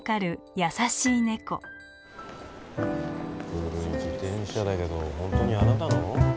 古い自転車だけど本当にあなたの？